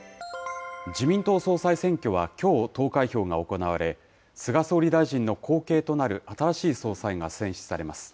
自民党総裁選挙はきょう投開票が行われ、菅総理大臣の後継となる新しい総裁が選出されます。